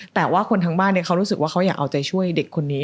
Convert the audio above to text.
แต่ว่าคนทางบ้านเขารู้สึกว่าเขาอยากเอาใจช่วยเด็กคนนี้